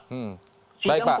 hmm baik pak